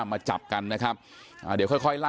มีภาพวงจรปิดอีกมุมหนึ่งของตอนที่เกิดเหตุนะฮะ